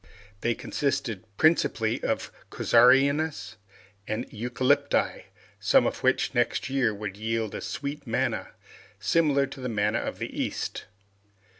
They consisted principally of casuarinas and eucalypti, some of which next year would yield a sweet manna, similar to the manna of the East.